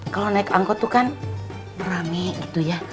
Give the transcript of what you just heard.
kalo naik angkot tuh kan rame gitu ya